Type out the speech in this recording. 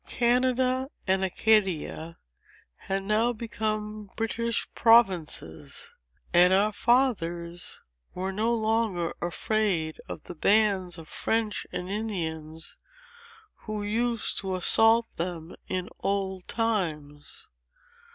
Canada and Acadia had now become British provinces; and our fathers were no longer afraid of the bands of French and Indians, who used to assault them in old times.